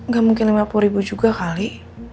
gak mungkin lima puluh ribu juga kali